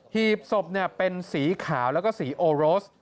หีบศพเป็นสีขาวแล้วก็สีโอโรส